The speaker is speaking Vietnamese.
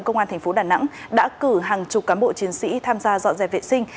công an thành phố đà nẵng đã cử hàng chục cán bộ chiến sĩ tham gia dọn dẹp vệ sinh